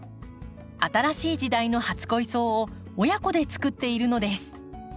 新しい時代の初恋草を親子でつくっているのです。